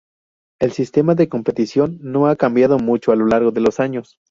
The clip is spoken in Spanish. El sistema de competición no ha cambiado mucho a lo largo de los años.